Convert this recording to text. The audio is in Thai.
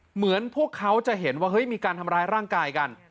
เหมือนพวกเขาจะเห็นว่าเฮ้ยมีการทำร้ายร่างกายกัน